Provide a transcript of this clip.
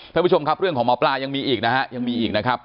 ท่านผู้ชมครับเรื่องของหมอปลายังมีอีกนะครับ